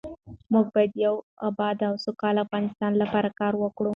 موږ باید د یو اباد او سوکاله افغانستان لپاره کار وکړو.